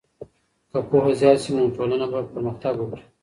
که پوهه زیاته سي نو ټولنه به پرمختګ وکړي.